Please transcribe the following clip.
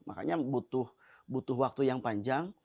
makanya butuh waktu yang panjang